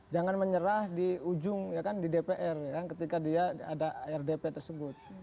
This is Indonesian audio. jangan menyerah di ujung di dpr ketika dia ada rdp tersebut